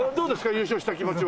優勝した気持ちは。